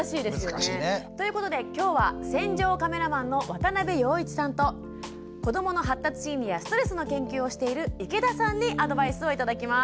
難しいね。ということで今日は戦場カメラマンの渡部陽一さんと子どもの発達心理やストレスの研究をしている池田さんにアドバイスを頂きます。